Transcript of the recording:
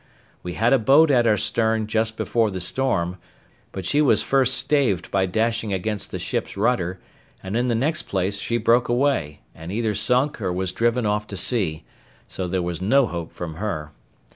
We had a boat at our stern just before the storm, but she was first staved by dashing against the ship's rudder, and in the next place she broke away, and either sunk or was driven off to sea; so there was no hope from her.